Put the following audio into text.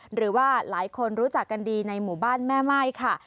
หรือว่าหลายคนรู้จักกันดีในหมู่บ้านแม่ม่ายค่ะ